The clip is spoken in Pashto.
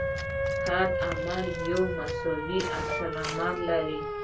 هر عمل یو مساوي عکس العمل لري.